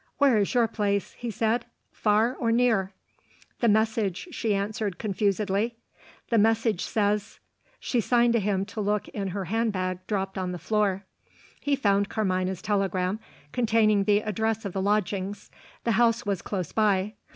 "Where is your place?" he said. "Far or near?" "The message," she answered confusedly. "The message says." She signed to him to look in her hand bag dropped on the floor. He found Carmina's telegram, containing the address of the lodgings. The house was close by.